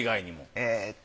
えっと